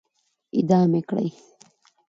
اعدام يې کړئ!